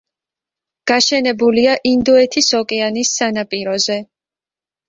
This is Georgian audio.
გაშენებულია ინდოეთის ოკეანის სანაპიროზე.